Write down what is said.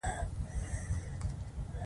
نورې مېرمنې هم وې چې اولادونه یې بندیان وو